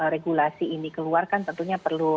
regulasi ini keluarkan tentunya perlu